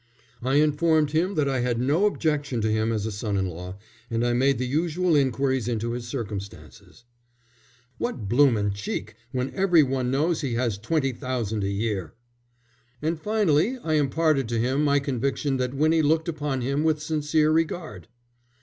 "I informed him that I had no objection to him as a son in law, and I made the usual inquiries into his circumstances." "What bloomin' cheek, when every one knows he has twenty thousand a year!" "And finally I imparted to him my conviction that Winnie looked upon him with sincere regard."